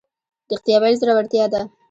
ریښتیا ویل زړورتیا ده